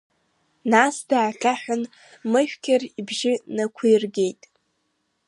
Нас даахьаҳәын, Мышәқьар ибжьы нақәиргеит.